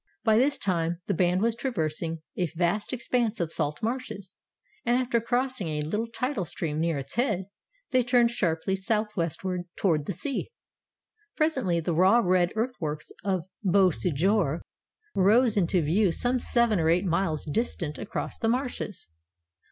By this time the band was traversing a vast expanse of salt marshes, and after crossing a little tidal stream near its head, they turned sharply southwestward toward the sea. Presently the raw red earthworks of Beauséjour rose into view some seven or eight miles distant across the marshes.